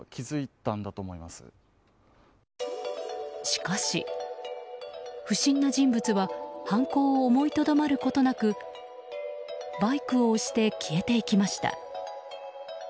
しかし、不審な人物は犯行を思いとどまることなくバイクを押して消えていきました。